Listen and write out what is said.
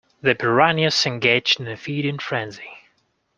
The piranhas engaged in a feeding frenzy.